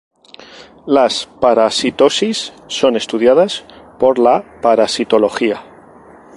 Las parasitosis son estudiadas por la parasitología.